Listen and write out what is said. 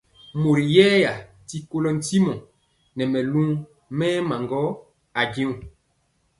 Mori yɛɛya ti kolɔ ntimɔ nɛ mɛlu mɛɛma gɔ ajeŋg.